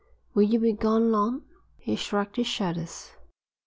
"Will you be gone long?" He shrugged his shoulders.